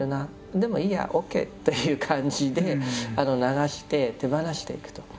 でもいいやＯＫという感じで流して手放していくと。